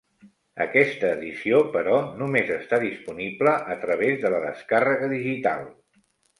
Aquesta edició, però, només està disponible a través de la descàrrega digital.